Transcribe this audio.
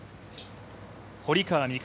堀川未来